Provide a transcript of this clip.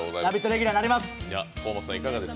レギュラーになります！